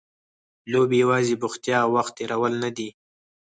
لوبې یوازې بوختیا او وخت تېرول نه دي.